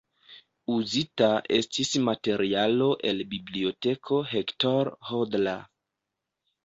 Uzita estis materialo el Biblioteko Hector Hodler.